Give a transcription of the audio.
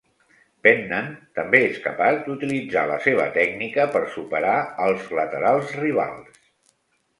Pennant també és capaç d'utilitzar la seva tècnica per superar als laterals rivals.